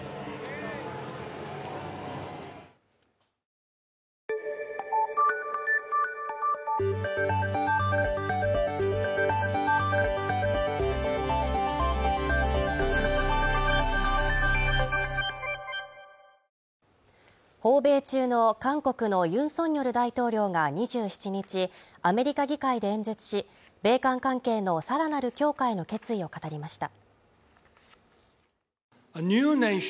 ファンが偉業達成を期待する中、迎えた第５打席訪米中の韓国のユン・ソンニョル大統領が２７日、アメリカ議会で演説し、米韓関係の更なる強化への決意を語りました。